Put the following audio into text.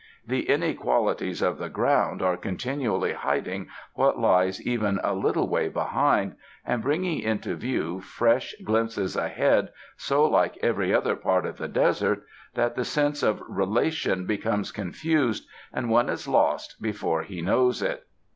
The inequalities of the ground are continually hiding what lies even a little way be hind, and bringing into view fresh glim]:)ses ahead so like every other part of the desert that the sense of relation becomes confused, and one is lost before he Jinows it.